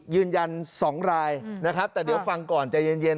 ยืนยัน๒รายนะครับแต่เดี๋ยวฟังก่อนใจเย็น